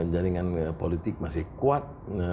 jaringan politik masih kuat